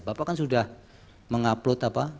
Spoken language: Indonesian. bapak kan sudah mengupload apa